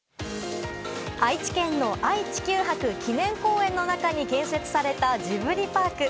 愛知県の愛・地球博記念公園の中に建設されたジブリパーク。